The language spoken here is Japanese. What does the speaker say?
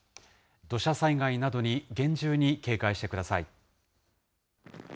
土砂災害などに厳重に警戒してください。